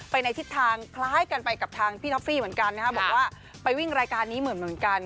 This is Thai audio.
ในทิศทางคล้ายกันไปกับทางพี่ท็อฟฟี่เหมือนกันนะครับบอกว่าไปวิ่งรายการนี้เหมือนกัน